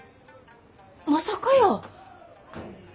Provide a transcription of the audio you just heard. まさかやー。